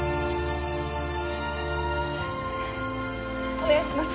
お願いします